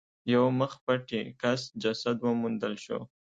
یو مخ پټي کس جسد وموندل شو.